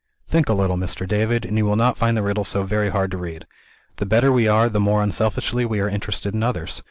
"Think a little, Mr. David, and you will not find the riddle so very hard to read. The better we are, the more unselfishly we are interested in others.